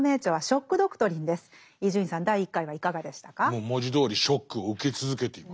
もう文字どおりショックを受け続けています。